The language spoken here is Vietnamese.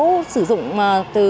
các cháu sử dụng từ